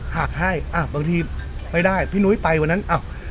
หากให้บางทีไม่ได้พี่นุ้ยไปวันนั้นอ้าว